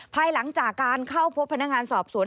ภายหลังจากการเข้าพบพนักงานสอบสวน